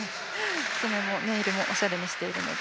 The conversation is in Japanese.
ネイルもおしゃれにしているので。